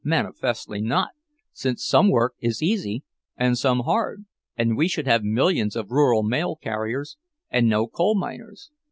"Manifestly not, since some work is easy and some hard, and we should have millions of rural mail carriers, and no coal miners.